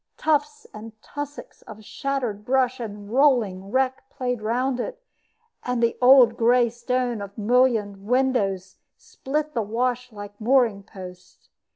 Tufts and tussocks of shattered brush and rolling wreck played round it, and the old gray stone of mullioned windows split the wash like mooring posts.